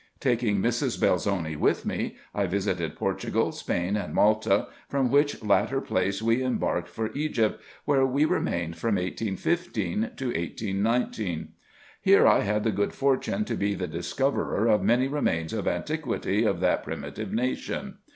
Taking Mrs. Belzoni with me, I visited Portugal, Spain, and Malta, from which latter place we embarked for Egypt, where we remained from 1815 to 1819. Here I had the good fortune to be the discoverer of many remains of antiquity of that primitive nation.